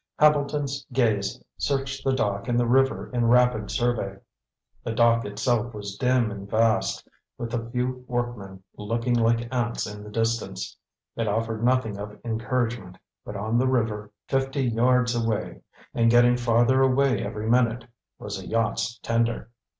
Hambleton's gaze searched the dock and the river in a rapid survey. The dock itself was dim and vast, with a few workmen looking like ants in the distance. It offered nothing of encouragement; but on the river, fifty yards away, and getting farther away every minute, was a yacht's tender.